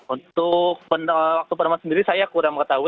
untuk penelaman sendiri saya kurang mengetahui